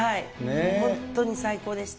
本当に最高でした。